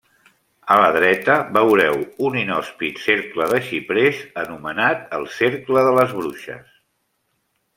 A la dreta veureu un inhòspit cercle de xiprers anomenat el Cercle de les bruixes.